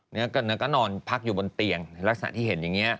แล้วก็นอนพักอยู่บนเตียงในลักษณะที่เห็นอย่างนี้